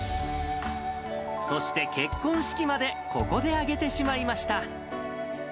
そして結婚式までここで挙げてしまいました。